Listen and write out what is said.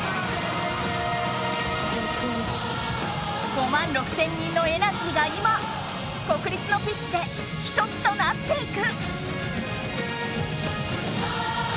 ５万６，０００人のエナジーが今国立のピッチで一つとなっていく！